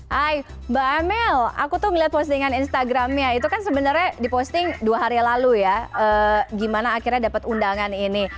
hai mbak amel aku tuh ngeliat postingan instagramnya itu kan sebenarnya diposting dua hari lalu ya gimana akhirnya dapet undangan ini